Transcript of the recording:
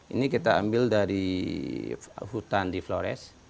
ini kita ambil dari hutan di flores